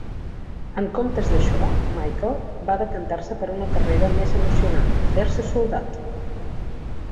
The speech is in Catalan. En comptes d'això, Michel va decantar-se per una carrera més emocionant: fer-se soldat.